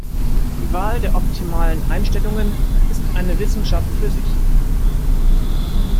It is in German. Die Wahl der optimalen Einstellungen ist eine Wissenschaft für sich.